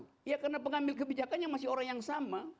masih ya karena pengambil kebijakannya masih orang yang sama